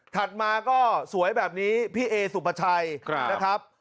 มาก็สวยแบบนี้พี่เอสุภาชัยนะครับ